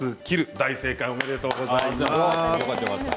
大正解、おめでとうございます。